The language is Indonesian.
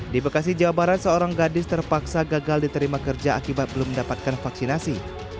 di bekasi jawa barat seorang gadis terpaksa gagal diterima kerja akibat belum mendapatkan vaksinasi